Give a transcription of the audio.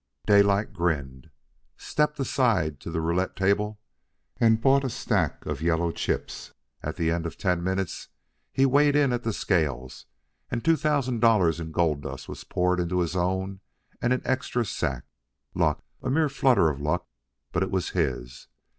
Daylight grinned, stepped aside to the roulette table, and bought a stack of yellow chips. At the end of ten minutes he weighed in at the scales, and two thousand dollars in gold dust was poured into his own and an extra sack. Luck, a mere flutter of luck, but it was his.